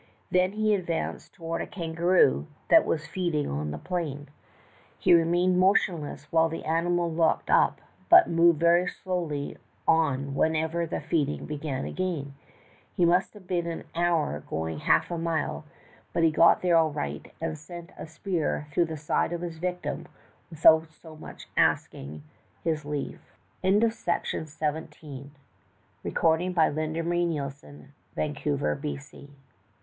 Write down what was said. Then he advanced toward a kangaroo that was feeding on the plain. He remained motionless when the animal looked up, but moved very slowly on whenever the feeding began again. He must have been an hour going half a mile, but he got there all right, and sent a spear through the side of his victim without so much as asking his l